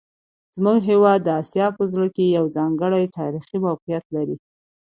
زموږ هیواد د اسیا په زړه کې یو ځانګړی تاریخي موقعیت لري.